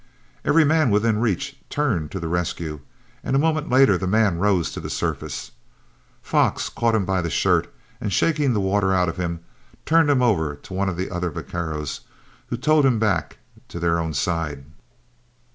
Every man within reach turned to the rescue, and a moment later the man rose to the surface. Fox caught him by the shirt, and, shaking the water out of him, turned him over to one of the other vaqueros, who towed him back to their own side.